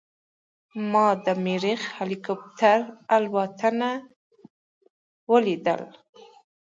ما د مریخ هلیکوپټر الوتنه ولیدله.